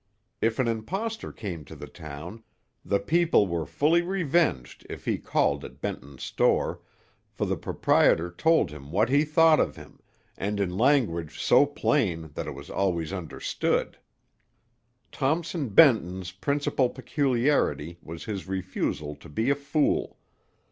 If an impostor came to the town, the people were fully revenged if he called at Benton's store, for the proprietor told him what he thought of him, and in language so plain that it was always understood. Thompson Benton's principal peculiarity was his refusal to be a fool.